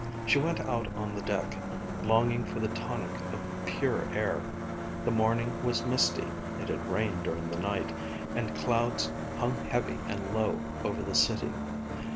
She went out on the deck, longing for the tonic of pure air. The morning was misty it had rained during the night and clouds hung heavy and low over the city.